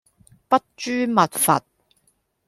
筆誅墨伐